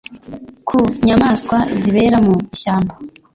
ku nyamaswa zibera mu ishyamba.